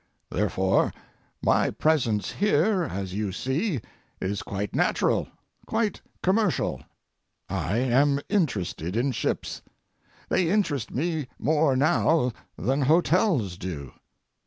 Therefore, my presence here, as you see, is quite natural, quite commercial. I am interested in ships. They interest me more now than hotels do.